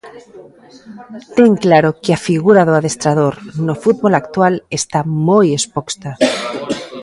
Ten claro que a figura do adestrador, no fútbol actual está moi exposta.